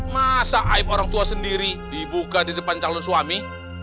masa aib orang tua sendiri dibuka di depan calon suami